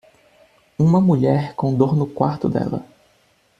Uma mulher com dor no quarto dela.